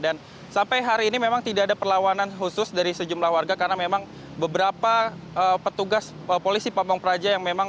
dan sampai hari ini memang tidak ada perlawanan khusus dari sejumlah warga karena memang beberapa petugas polisi pampang praja yang memang